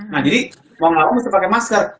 nah jadi mau gak mau mesti pakai masker